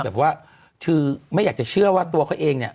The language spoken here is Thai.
แบบว่าคือไม่อยากจะเชื่อว่าตัวเขาเองเนี่ย